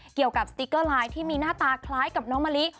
สติ๊กเกอร์ไลน์ที่มีหน้าตาคล้ายกับน้องมะลิ